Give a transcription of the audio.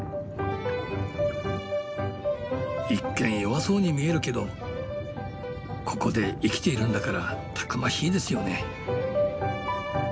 一見弱そうに見えるけどここで生きているんだからたくましいですよね。